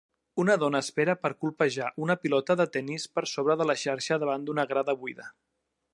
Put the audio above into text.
Una dona espera per colpejar una pilota de tennis per sobre de la xarxa davant d'una grada buida.